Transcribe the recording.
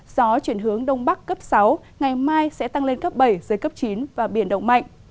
gió chuyển hướng đông bắc cấp sáu ngày mai sẽ tăng lên cấp bảy giới cấp chín và biển động mạnh